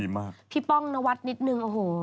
มีะที่ดีมาก